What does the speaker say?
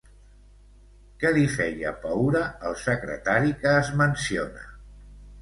Què li feia paüra al secretari que es menciona?